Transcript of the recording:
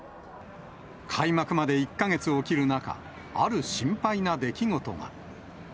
開幕まで１か月を切る中、ある心配な出来事が。